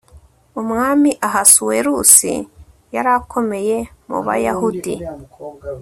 umwami ahasuwerusi yari akomeye mu bayahudi